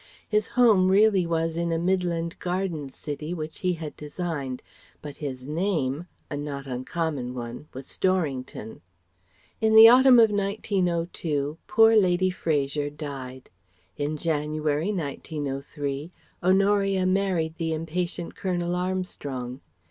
His home really was in a midland garden city which he had designed, but his name a not uncommon one was Storrington.] In the autumn of 1902, poor Lady Fraser died. In January, 1903, Honoria married the impatient Colonel Armstrong.